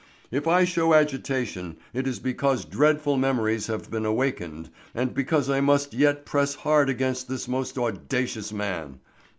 "If I show agitation it is because dreadful memories have been awakened and because I must yet press hard against this most audacious man.